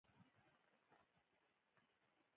اسمان ته ستوري خیژوم